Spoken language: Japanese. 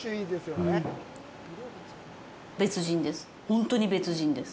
別人です。